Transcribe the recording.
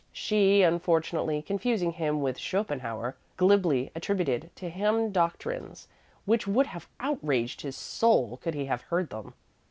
She, unfortunately confusing him with Schopenhauer, glibly attributed to him doctrines which would have outraged his soul could he have heard them.